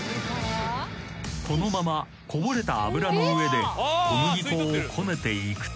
［このままこぼれた油の上で小麦粉をこねていくと］